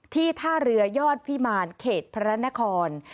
ท่าเรือยอดพิมารเขตพระนคร